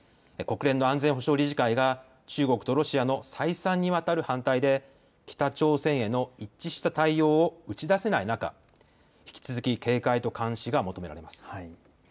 国連の安全保障理事会が中国とロシアの再三にわたる反対で北朝鮮への一致した対応を打ち出せない中、引き続き警戒と監視が求められます。